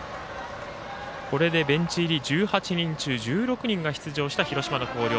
これでベンチ入り１８人中１６人が出場した広島の広陵。